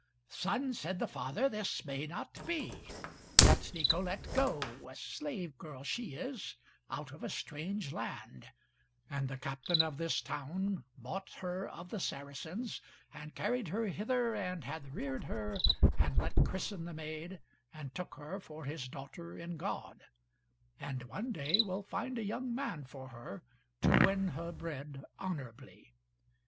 "Son," said the father, "this may not be. Let Nicolete go, a slave girl she is, out of a strange land, and the captain of this town bought her of the Saracens, and carried her hither, and hath reared her and let christen the maid, and took her for his daughter in God, and one day will find a young man for her, to win her bread honourably.